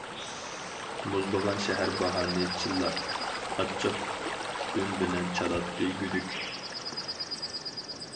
مۇزلىغان شەھەر باھارنى چىللار، ئاچچىق ئۈن بىلەن چالاتتى گۈدۈك.